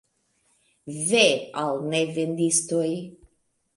Ve al nevendistoj!